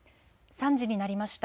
３時になりました。